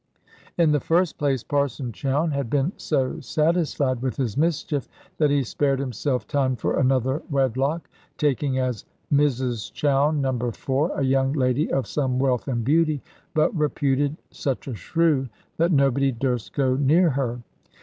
In the first place, Parson Chowne had been so satisfied with his mischief, that he spared himself time for another wedlock, taking as Mrs Chowne No. 4 a young lady of some wealth and beauty, but reputed such a shrew that nobody durst go near her.